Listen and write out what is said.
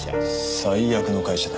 最悪の会社だ。